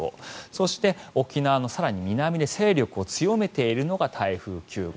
そして、沖縄の更に南で勢力を強めているのが台風９号。